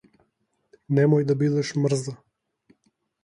Немој да бидеш мрза.